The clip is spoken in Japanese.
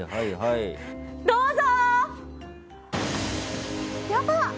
どうぞ！